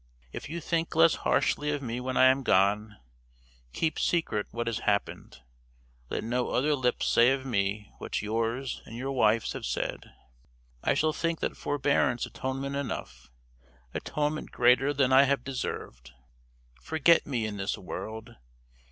If you think less harshly of me when I am gone, keep secret what has happened; let no other lips say of me what yours and your wife's have said. I shall think that forbearance atonement enough atonement greater than I have deserved. Forget me in this world.